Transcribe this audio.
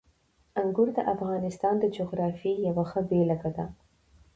انګور د افغانستان د جغرافیې یوه ښه بېلګه ده.